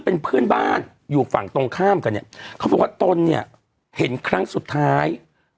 เป็นข่าวไหมคะการณ์ชัย